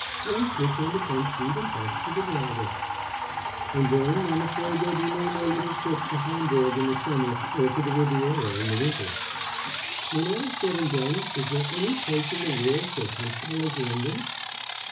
"One sits on the front seat and talks to the driver." "And then I'm afraid there'll be no more little trips to Homburg in the summer or to the Riviera in the winter." "When all's said and done is there any place in the world so comfortable as London?"